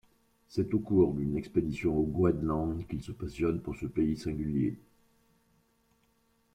C’est au cours d'une expédition au Groenland qu’il se passionne pour ce pays singulier.